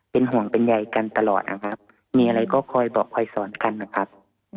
เป็นห่วงเป็นใยกันตลอดนะครับมีอะไรก็คอยบอกคอยสอนกันนะครับ